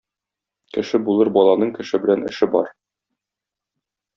Кеше булыр баланың кеше белән эше бар